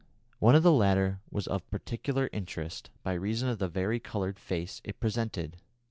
One of the latter was of particular interest by reason of the vari coloured face it presented.